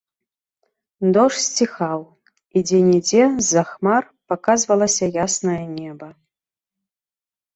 Дождж сціхаў, і дзе-нідзе з-за хмар паказвалася яснае неба.